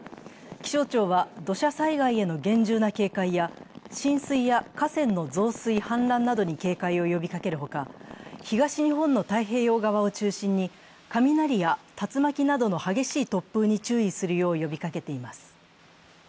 気象庁は、土砂災害への厳重な警戒や浸水や河川の増水・氾濫などに警戒を呼びかけるほか、東日本の太平洋側を中心に雷や竜巻などの激しい突風に注意するよう呼びかけています。